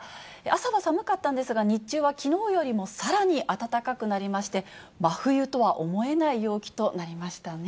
朝は寒かったんですが、日中はきのうよりもさらに暖かくなりまして、真冬とは思えない陽気となりましたね。